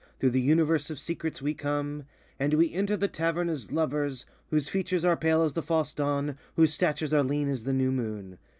Through the Universe of Secrets we corr.e, And we enter the Tavern as Lovers, Whose features are pale as the false dawn, Whose statures are lean as the new moon.